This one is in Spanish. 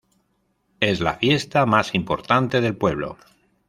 Es la fiesta más importante del pueblo.